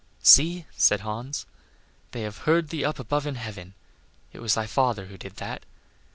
"See," said Hans, "they have heard thee up above in heaven; it was thy father who did that."